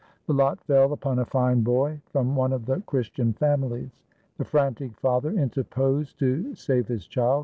The lot fell upon a fine boy from one of the Christian families. The frantic father interposed to save his child.